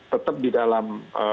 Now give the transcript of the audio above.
tetap di dalam